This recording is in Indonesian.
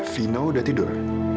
vino udah tidur